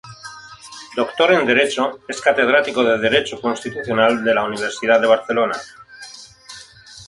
Doctor en Derecho, es catedrático de Derecho constitucional de la Universidad de Barcelona.